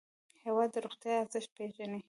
هېواد د روغتیا ارزښت پېژني.